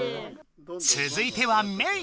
つづいてはメイ。